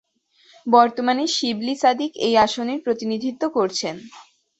বর্তমানে শিবলী সাদিক এই আসনের প্রতিনিধিত্ব করছেন।